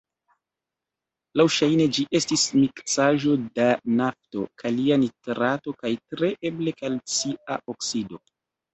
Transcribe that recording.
Laŭŝajne ĝi estis miksaĵo da nafto, kalia nitrato kaj tre eble kalcia oksido.